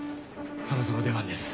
そろそろ出番です。